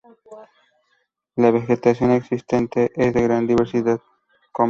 La vegetación existente es de gran diversidad.